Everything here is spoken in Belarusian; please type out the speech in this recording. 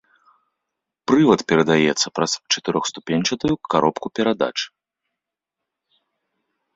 Прывад перадаецца праз чатырохступеньчатую каробку перадач.